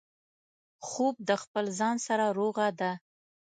خوب د خپل ځان سره روغه ده